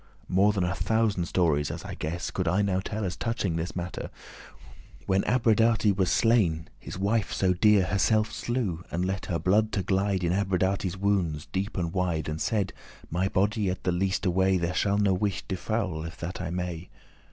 More than a thousand stories, as I guess, Could I now tell as touching this mattere. When Abradate was slain, his wife so dear <23> Herselfe slew, and let her blood to glide In Abradate's woundes, deep and wide, And said, 'My body at the leaste way There shall no wight defoul, if that I may.